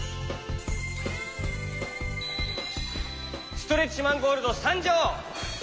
ストレッチマン・ゴールドさんじょう！